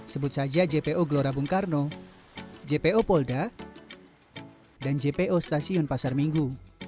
sebut saja jpo gelora bung karno jpo polda dan jpo stasiun pasar minggu